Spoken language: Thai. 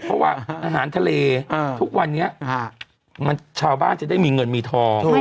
เพราะว่าอาหารทะเลทุกวันนี้ชาวบ้านจะได้มีเงินมีทอง